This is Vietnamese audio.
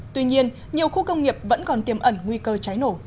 tuy nhiên nhiều khu công nghiệp vẫn còn tiêm ẩn nguy cơ cháy nổ